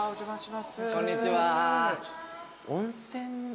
こんにちは。